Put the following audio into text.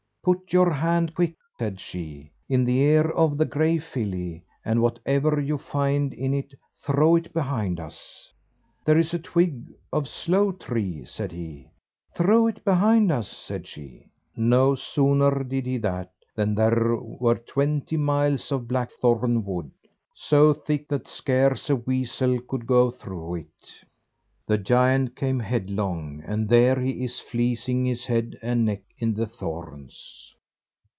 "Put your hand, quick," said she, "in the ear of the grey filly, and whatever you find in it, throw it behind us." "There is a twig of sloe tree," said he. "Throw it behind us," said she. No sooner did he that, than there were twenty miles of blackthorn wood, so thick that scarce a weasel could go through it. The giant came headlong, and there he is fleecing his head and neck in the thorns.